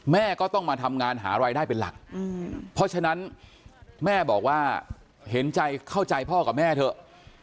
แม่ก็ต้องมาทำงานหารายได้เป็นหลักเพราะฉะนั้นแม่บอกว่าเห็นใจเข้าใจพ่อกับแม่เถอะ